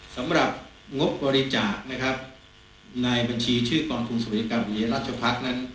สำหรับงบบริจาคในบัญชีชื่อกรรมทุนสวัสดิการบริเวณราชภักดิ์